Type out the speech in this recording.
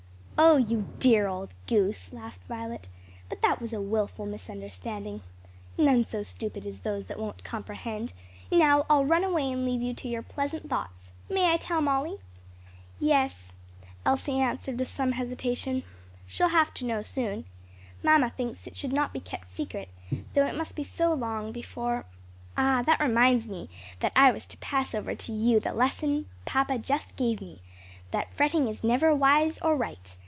"Oh you dear old goose!" laughed Violet; "but that was a wilful misunderstanding. None so stupid as those that won't comprehend. Now I'll run away and leave you to your pleasant thoughts. May I tell Molly?" "Yes," Elsie answered with some hesitation, "she'll have to know soon. Mamma thinks it should not be kept secret, though it must be so long before " "Ah, that reminds me that I was to pass over to you the lesson papa just gave me that fretting is never wise or right.